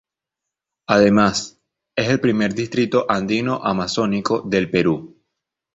Además, es el primer distrito Andino Amazónico del Perú.